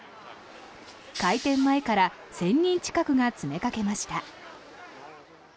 開店前から１０００人近くが詰めかけました。